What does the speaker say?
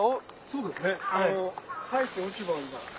そうですね。